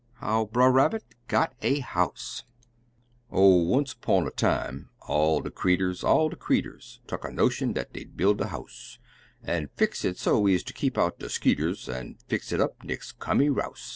HOW BRER RABBIT GOT A HOUSE Oh, once 'pon a time, all de creeturs, all de creeturs, Tuck a notion dat dey'd build a house, An' fix it so ez ter keep out de skeeters, An' fix it up nix cummy rous!